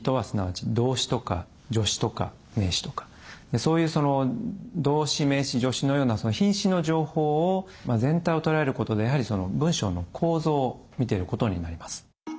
そういう動詞名詞助詞のような品詞の情報を全体を捉えることでやはり文章の構造を見てることになります。